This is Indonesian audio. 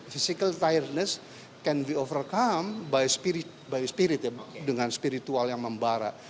physical tiredness can be overcome by spirit ya dengan spiritual yang membara